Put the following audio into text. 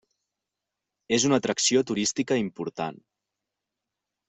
És una atracció turística important.